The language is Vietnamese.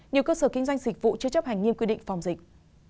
nhiều cơ sở kinh doanh dịch vụ chưa chấp hành nghiêm quy định phòng dịch